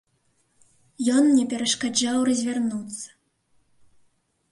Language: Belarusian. Ён мне перашкаджаў развярнуцца.